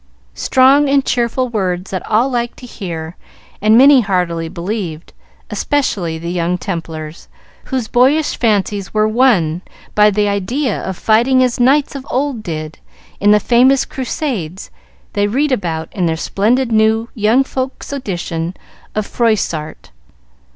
Strong and cheerful words that all liked to hear and many heartily believed, especially the young Templars, whose boyish fancies were won by the idea of fighting as knights of old did in the famous crusades they read about in their splendid new young folks' edition of Froissart.